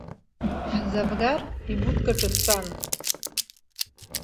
Ҳзавгар ибудкаҿы дтәан.